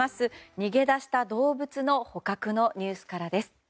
逃げ出した動物の捕獲のニュースからです。